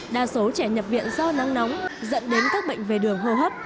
đa số trẻ nhập viện do nắng nóng dẫn đến các bệnh về đường hô hấp